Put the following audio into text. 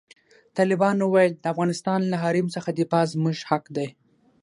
طالبانو وویل، د افغانستان له حریم څخه دفاع زموږ حق دی.